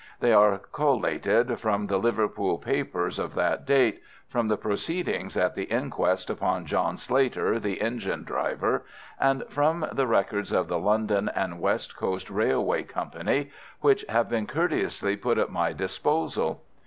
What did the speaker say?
They are collated from the Liverpool papers of that date, from the proceedings at the inquest upon John Slater, the engine driver, and from the records of the London and West Coast Railway Company, which have been courteously put at my disposal.